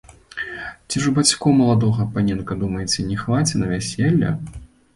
Ці ж у бацькоў маладога, паненка, думаеце, не хваце на вяселле?